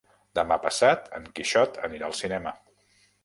Demà passat en Quixot anirà al cinema.